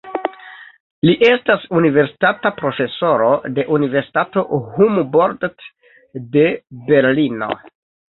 Li estas universitata profesoro de Universitato Humboldt de Berlino.